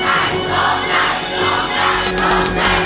โอ้ไก่โอ่ไก่